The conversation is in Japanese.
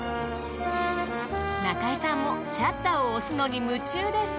中井さんもシャッターを押すのに夢中です。